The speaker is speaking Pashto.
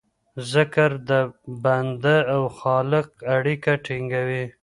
ذکر د بنده او خالق اړیکه ټینګوي.